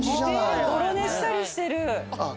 ごろ寝したりしてる。